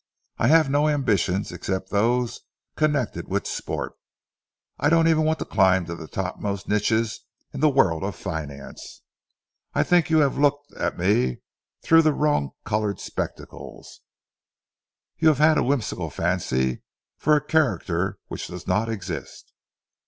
I have no ambitions except those connected with sport. I don't even want to climb to the topmost niches in the world of finance. I think you have looked at me through the wrong coloured spectacles. You have had a whimsical fancy for a character which does not exist."